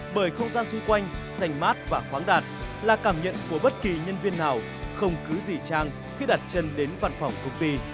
bởi không gian xung quanh sành mát và khoáng đạt là cảm nhận của bất kỳ nhân viên nào không cứ gì trang khi đặt chân đến văn phòng công ty